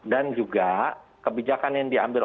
dan juga kebijakan yang diambil